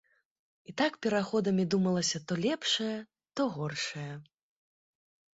І так пераходамі думалася то лепшае, то горшае.